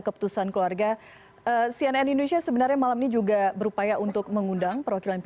keputusan keluarga cnn indonesia sebenarnya malam ini juga berupaya untuk mengundang perwakilan